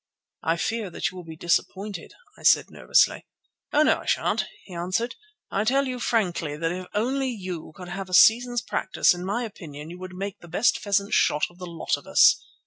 "I fear that you will be disappointed," I said nervously. "Oh, no, I sha'n't," he answered. "I tell you frankly that if only you could have a season's practice, in my opinion you would make the best pheasant shot of the lot of us.